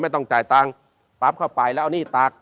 ไม่ต้องจ่ายตังค์ปั๊บเข้าไปแล้วเอาหนี้ตัก